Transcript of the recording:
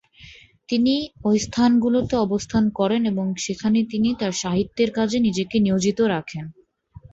তিনি ঐ স্থানগুলোতে অবস্থান করেন এবং সেখানে তিনি তার সাহিত্যের কাজে নিজেকে নিয়োজিত রাখেন।